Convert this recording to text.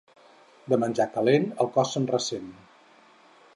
De menjar calent, el cos se'n ressent.